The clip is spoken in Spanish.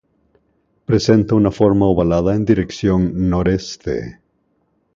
Presenta una forma ovalada en dirección nor-este.